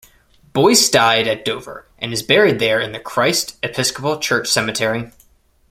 Boyce died at Dover and is buried there in the Christ Episcopal Church Cemetery.